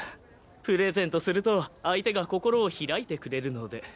プレゼントすると相手が心を開いてくれるので。